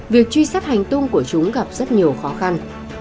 việc truy sát hành tung của chúng gặp rất nhiều khó khăn